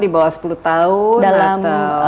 di bawah sepuluh tahun